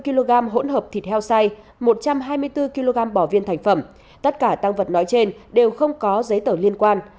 bảy mươi bốn kg hỗn hợp thịt heo xay một trăm hai mươi bốn kg bỏ viên thành phẩm tất cả tăng vật nói trên đều không có giấy tờ liên quan